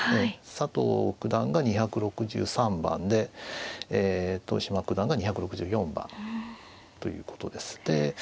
佐藤九段が２６３番で豊島九段が２６４番ということです。